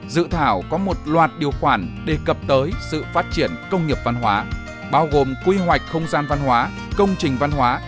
dự thảo có một loạt điều khoản đề cập tới sự phát triển công nghiệp văn hóa bao gồm quy hoạch không gian văn hóa công trình văn hóa